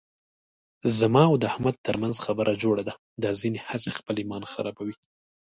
زما او د احمد ترمنځ خبره جوړه ده، دا ځنې هسې خپل ایمان خرابوي.